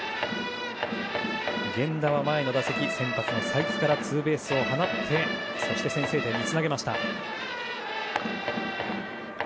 源田は前の打席先発の才木からツーベースを放って先制点につなげました。